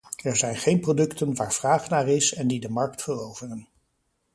Er zijn geen producten waar vraag naar is en die de markt veroveren.